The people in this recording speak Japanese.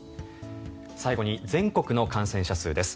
最後に全国の感染者数です。